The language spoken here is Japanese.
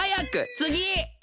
次！